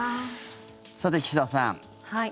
さて、岸田さん。